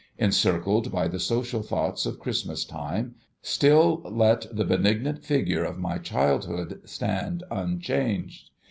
Encircled by the social thoughts of Christmas time, still let the benignant figure of my childhood stand unchanged